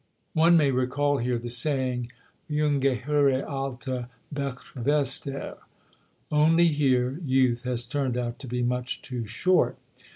One may recall here the saying, "Junge Hure, alte Betschwester," only here youth has turned out to be much too short.